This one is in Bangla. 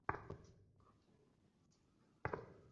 তিনি কিলদারে হান্টের মাধ্যমে অশ্বারোহী হিসাবে বিখ্যাত হয়েছিলেন।